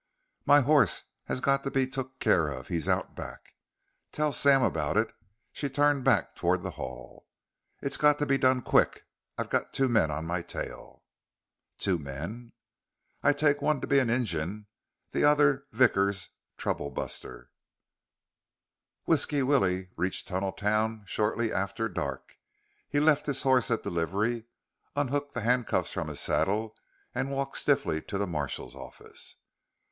"My horse has got to be took care of. He's out back." "Tell Sam about it." She turned back toward the hall. "It's got to be done quick. I got two men on my tail." "Two men?" "I take one to be a Injun, the other Vickers' troublebuster." Whisky Willie reached Tunneltown shortly after dark. He left his horse at the livery, unhooked the handcuffs from his saddle and walked stiffly to the marshal's office.